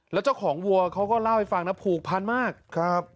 แล้วเจ้าของวัวเขาก็เล่าให้ฟังนะผูกพันมากครับ